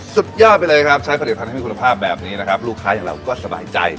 สุดยอดไปเลยครับใช้ผลิตภัณฑ์ให้มีคุณภาพแบบนี้นะครับลูกค้าอย่างเราก็สบายใจ